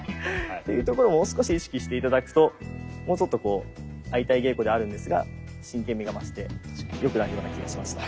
っていうところもう少し意識して頂くともうちょっとこう相対稽古であるんですが真剣みが増してよくなるような気がしました。